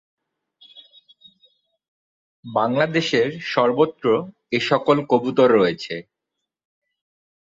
বাংলাদেশের সর্বত্র এসকল কবুতর রয়েছে।